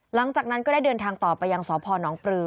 หลังจากนั้นก็ได้เดินทางต่อไปยังสพนปลือ